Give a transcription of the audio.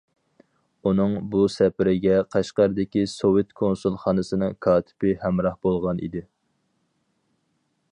ئۇنىڭ بۇ سەپىرىگە قەشقەردىكى سوۋېت كونسۇلخانىسىنىڭ كاتىپى ھەمراھ بولغان ئىدى.